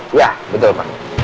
iya betul pak